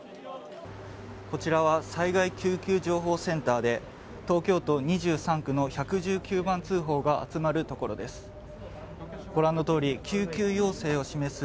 こちらは災害救急情報センターで東京都２３区の１１９番通報が集まるところです。